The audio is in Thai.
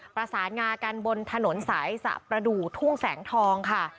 ประสานงากันบนถนนสายสะประดูกทุ่งแสงทองค่ะ